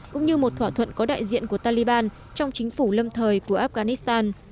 cũng như một thỏa thuận có đại diện của taliban trong chính phủ lâm thời của afghanistan